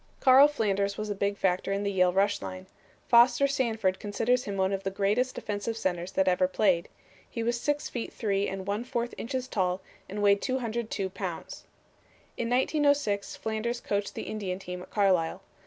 '" Carl Flanders was a big factor in the Yale rush line. Foster Sanford considers him one of the greatest offensive centers that ever played. He was six feet three and one fourth inches tall and weighed 202 pounds. In 1906 Flanders coached the Indian team at Carlisle.